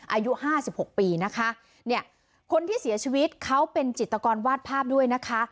อายุ๕๖ปีนะคะคนที่เสียชีวิตเขาเป็นจิตกรวาดภาพด้วยนะคะ